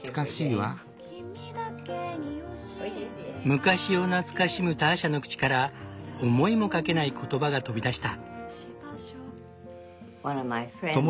昔を懐かしむターシャの口から思いもかけない言葉が飛び出した。